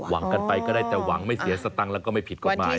หวังกันไปก็ได้แต่หวังไม่เสียสตังค์แล้วก็ไม่ผิดกฎหมาย